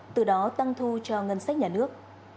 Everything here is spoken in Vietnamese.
từ đó tăng thu cho ngân sách nhà nước